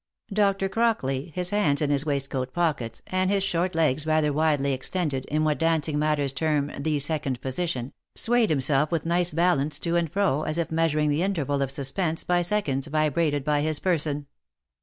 Dr. Crock ley, his hands in his waistcoat pockets, and his short legs rather widely extended, in what dancing masters term the second position, swayed himself with nice balance to and fro, as if measuring the interval of suspense by seconds vibrated by his person.